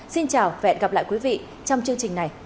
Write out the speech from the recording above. xin chào và hẹn gặp lại quý vị trong chương trình này tuần sau